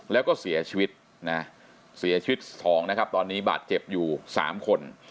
แล้วก็เสียชีวิตนะเสียชีวิต๒นะครับตอนนี้บาดเจ็บอยู่๓คน